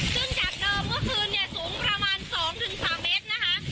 ซึ่งจากเดิมเมื่อคืนเนี่ยสูงประมาณ๒๓เมตรนะคะ